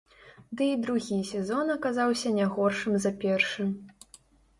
Ды і другі сезон аказаўся не горшым за першы.